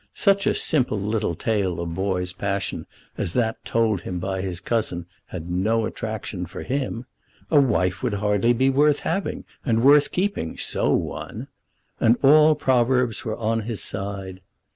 Such a simple little tale of boy's passion as that told him by his cousin had no attraction for him. A wife would hardly be worth having, and worth keeping, so won. And all proverbs were on his side.